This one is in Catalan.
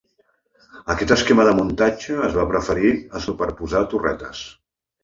Aquest esquema de muntatge es va preferir a superposar torretes.